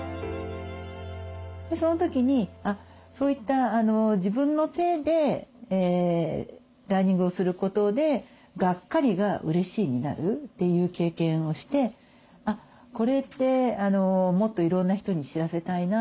その時にそういった自分の手でダーニングをすることで「がっかりがうれしいになる」という経験をしてこれってもっといろんな人に知らせたいな。